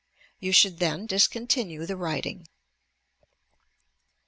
You should then discontinue the writing.